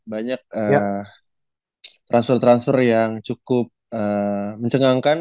banyak transfer transfer yang cukup mencengangkan